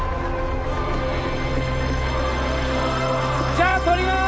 じゃあ撮ります！